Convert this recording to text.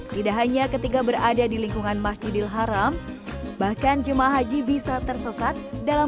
tidak hanya ketika berada di lingkungan masjidil haram bahkan jemaah haji bisa tersesat dalam